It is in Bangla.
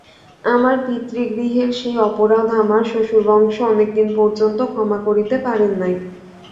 আমার পিতৃগৃহের সেই অপরাধ আমার শ্বশুরবংশ অনেক দিন পর্যন্ত ক্ষমা করিতে পারেন নাই।